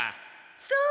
そう。